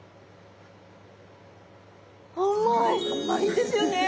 甘いですよね。